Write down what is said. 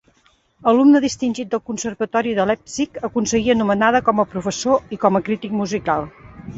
Alumne distingit del Conservatori de Leipzig, aconseguí anomenada com a professor i com acrític musical.